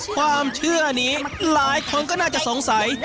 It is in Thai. ความเชื่อนี้หลายคนก็น่าจะสงสัย